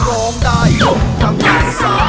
ร้องได้ยกกำลังซ่า